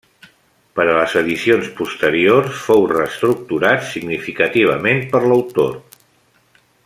Per a les edicions posteriors fou reestructurat significativament per l'autor.